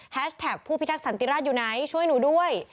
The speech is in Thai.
แท็กผู้พิทักษันติราชอยู่ไหนช่วยหนูด้วย